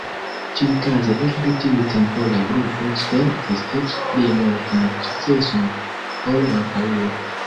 Ĉiukaze ekde tiu tempo la grupo spertis eĉ pli multan sukceson ol antaŭe.